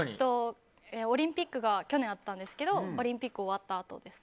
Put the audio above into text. オリンピックが去年あったんですけどオリンピックが終わったあとです。